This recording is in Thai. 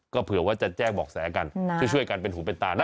ก็เผื่อว่าจะแจ้งบอกแสกันช่วยกันเป็นหูเป็นตานะ